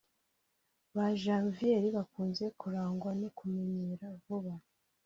Ba Janviere bakunze kurangwa no kumenyera vuba